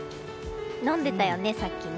飲んでたよね、さっきね。